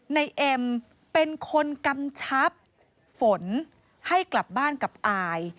นายเอ็มเป็นคนกำชับฝนให้กลับบ้านกับอาย